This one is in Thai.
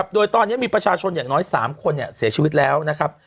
โดยตอนนี้มีประชาชนอย่างน้อย๓คนเสียชีวิตแล้วนะครับ